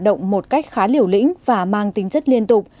động một cách khá liều lĩnh và mang tính chất liên tục